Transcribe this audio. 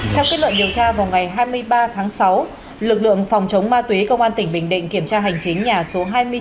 theo kết luận điều tra vào ngày hai mươi ba tháng sáu lực lượng phòng chống ma túy công an tỉnh bình định kiểm tra hành chính nhà số hai mươi chín